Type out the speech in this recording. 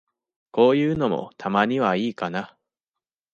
こういうのも、たまにはいいかな。